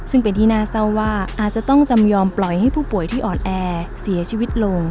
ซึ่งเป็นที่น่าเศร้าว่าอาจจะต้องจำยอมปล่อยให้ผู้ป่วยที่อ่อนแอเสียชีวิตลง